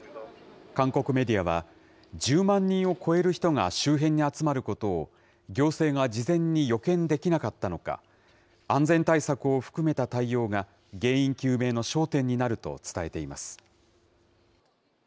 韓国メディアは、１０万人を超える人が周辺に集まることを、行政が事前に予見できなかったのか、安全対策を含めた対応が原因究明の焦点になると伝えています。